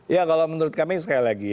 ya kalau menurut kami sekali lagi